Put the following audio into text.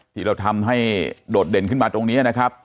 ที่เราทำให้โดดเด่นขึ้นมาตรงนี้นะครับ